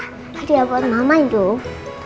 hadiah buat mama yuk